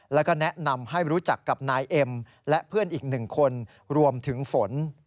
แล้วก็แนะนำให้รู้จักกับนายเอ็มและเพื่อนอีกหนึ่งคนรวมถึงฝน